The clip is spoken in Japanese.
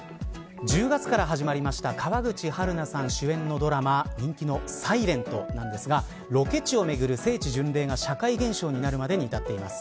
１０月から始まりました川口春奈さん主演のドラマ人気のｓｉｌｅｎｔですがロケ地を巡る聖地巡礼が社会現象になるまでに至っています。